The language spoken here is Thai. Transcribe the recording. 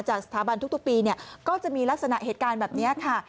จากสถาบันทุกปีก็จะมีลักษณะเหตุการณ์แบบนี้ค่ะ